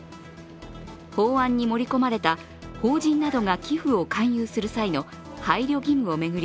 法案に盛り込まれた法人などが寄付を勧誘する際の配慮義務を巡り